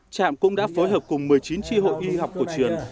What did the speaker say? trạm cũng đã phối hợp cùng một mươi chín tri hội y học cổ truyền